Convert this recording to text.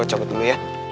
gue cabut dulu ya